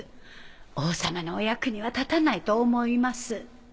王様のお役には立たないと思います。